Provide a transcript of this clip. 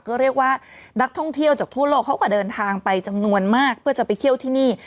ก็เรียกว่านักท่องเที่ยวจากทั่วโลกเขาก็เดินทางไปจำนวนมากเพื่อจะไปเที่ยวที่นี่